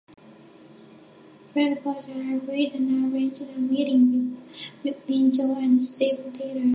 Fred Bohlander agreed and arranged a meeting between Joe and Steven Tyler.